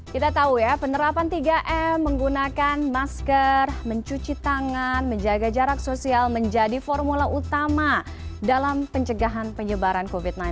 kita tahu ya penerapan tiga m menggunakan masker mencuci tangan menjaga jarak sosial menjadi formula utama dalam pencegahan penyebaran covid sembilan belas